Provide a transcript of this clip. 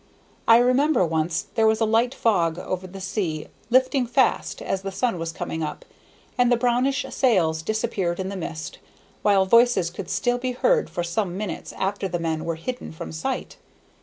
I remember once there was a light fog over the sea, lifting fast, as the sun was coming up, and the brownish sails disappeared in the mist, while voices could still be heard for some minutes after the men were hidden from sight.